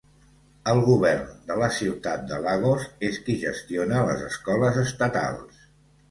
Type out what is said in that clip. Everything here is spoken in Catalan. El Govern de la ciutat de Lagos és qui gestiona les escoles estatals.